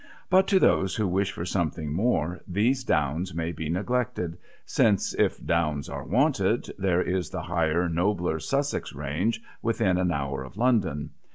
But to those who wish for something more, these downs may be neglected, since, if downs are wanted, there is the higher, nobler Sussex range within an hour of London.